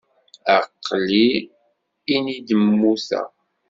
Aql-i ini-d mmuteɣ.